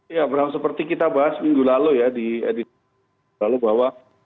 ya benar seperti kita bahas minggu lalu ya di edisi lalu bahwa